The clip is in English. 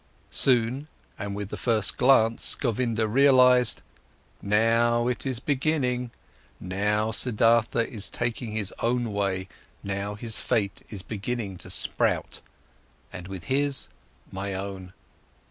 Soon and with the first glance, Govinda realized: Now it is beginning, now Siddhartha is taking his own way, now his fate is beginning to sprout, and with his, my own.